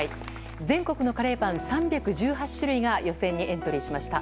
全国のカレーパン３１８種類が予選にエントリーしました。